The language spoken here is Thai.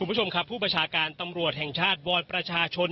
คุณผู้ชมครับผู้ประชาการตำรวจแห่งชาติวอนประชาชน